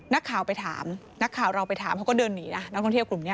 นักข่าวไปถามนักข่าวเราไปถามเขาก็เดินหนีนะนักท่องเที่ยวกลุ่มนี้